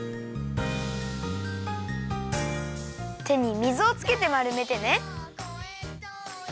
てに水をつけてまるめてね。